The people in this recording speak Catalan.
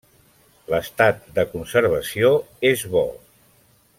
L'estat de conservació és bo.